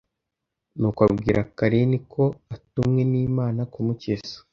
nuko abwira Karen ko atumwe n’Imana kumukiza